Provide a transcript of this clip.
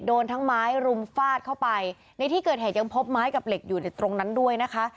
โดนทั้งไม้รุมฟาดเข้าไปในที่เกิดเหตุยังพบไม้กับเหล็กอยู่ในตรงนั้นด้วยนะคะ